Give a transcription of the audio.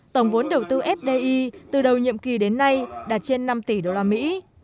tổng vốn đầu tư fdi từ đầu nhiệm kỳ đến nay đạt trên năm tỷ đô la mỹ